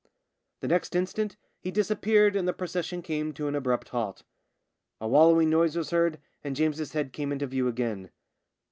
The next instant he disappeared and the procession came to an abrupt halt. A wallow ing noise was heard, and James's head came into view again.